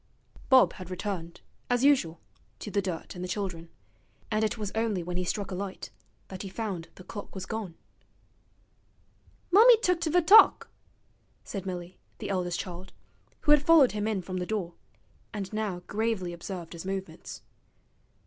Bob had returned, as usual, to the dirt and the children, and it was only when he struck a light that he found the clock was gone. 'Mummy tooked ve t'ock,' said Milly, the eldest child, who had followed him in from the door, and now gravely observed his movements.